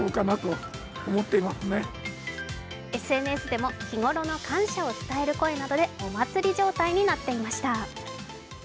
ＳＮＳでも、日頃の感謝を伝える声などでお祭り状態になっていました。